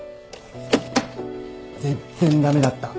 全然駄目だった。